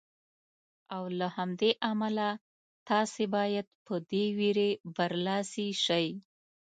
او له همدې امله تاسې باید په دې وېرې برلاسي شئ.